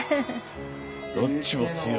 どっちも強い。